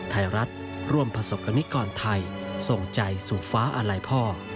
ไทยรัฐร่วมประสบกรณิกรไทยส่งใจสู่ฟ้าอาลัยพ่อ